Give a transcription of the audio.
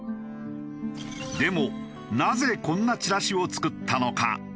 でもなぜこんなチラシを作ったのか？